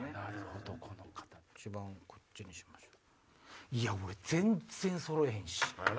一番こっちにしましょう。